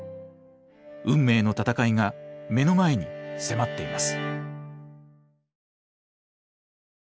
運命の戦いが目の前に迫っています。